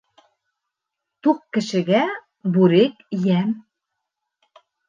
Туҡ кешегә бүрек йәм.